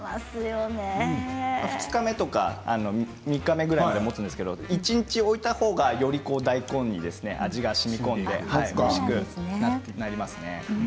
２日目とか３日目ぐらいまでもつんですけれども一日置いたほうが、より大根に味がしみこんでおいしくなりますね。